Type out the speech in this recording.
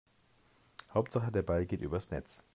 Hauptsache der Ball geht übers Netz.